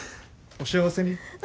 お幸せに。